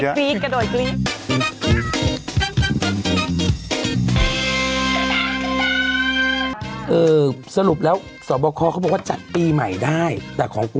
อืมจิ้งก่าอย่างนี้นั้นไม่ค่อยกลัว